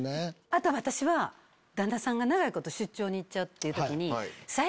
あと私は旦那さんが長いこと出張に行っちゃう時。